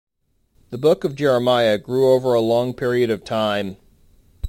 The Book of Jeremiah grew over a long period of time.